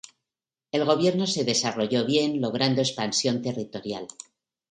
El gobierno se desarrolló bien logrando expansión territorial.